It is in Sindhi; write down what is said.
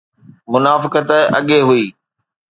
منافقت اڳي هئي.